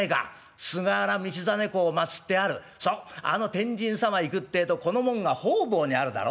あの天神様行くってえとこの紋が方々にあるだろ？